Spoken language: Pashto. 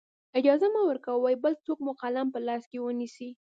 اجازه مه ورکوئ بل څوک مو قلم په لاس کې ونیسي.